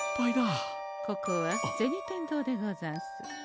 ここは銭天堂でござんす。